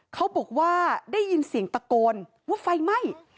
เขาบอกว่าได้ยินเสียงตะโกนว่าไฟไหม้